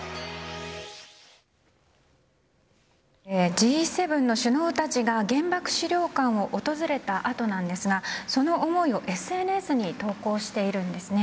Ｇ７の首脳たちが原爆資料館を訪れた後なんですがその思いをＳＮＳに投稿しているんですね。